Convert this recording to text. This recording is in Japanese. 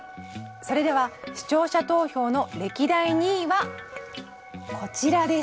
それでは視聴者投票の歴代２位はこちらです。